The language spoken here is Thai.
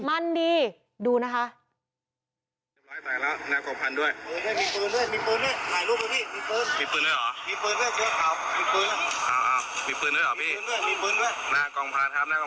มันดีดูนะคะ